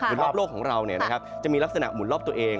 หมุนรอบโลกของเราเนี่ยนะครับจะมีลักษณะหมุนรอบตัวเอง